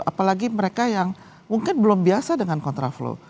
apalagi mereka yang mungkin belum biasa dengan kontraflow